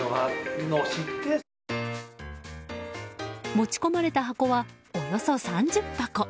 持ち込まれた箱はおよそ３０箱。